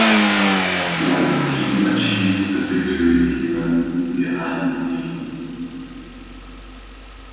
When a team achieves the victory he must be behind the team.